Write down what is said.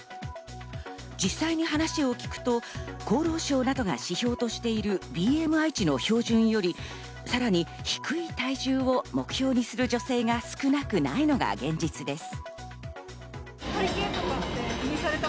実際に話を聞くと、厚労省などが指標としているＢＭＩ値の標準よりさらに低い体重を目標にする女性が少なくないのが現実です。